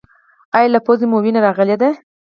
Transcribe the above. ایا له پوزې مو وینه راغلې ده؟